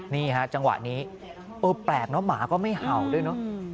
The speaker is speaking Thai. นี่ฮะจังหวะนี้เออแปลกเนอะหมาก็ไม่เห่าด้วยเนอะ